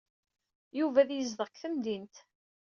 Yebɣa ad yezdeɣ deg temdint.